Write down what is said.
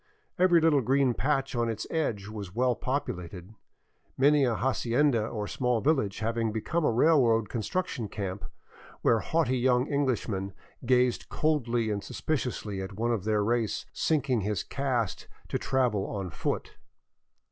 Every little green patch on its edge was well populated ; many a hacienda or small village having become a railway construction camp where haughty young Englishmen gazed coldly and suspiciously at one of their race sinking his caste to travel on foot.